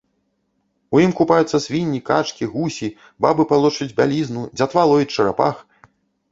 У ім купаюцца свінні, качкі, гусі, бабы палошчуць бялізну, дзятва ловіць чарапах!